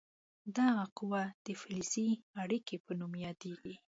دغه قوه د فلزي اړیکې په نوم یادیږي.